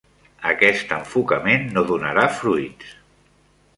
Aquest enfocament no donarà fruits.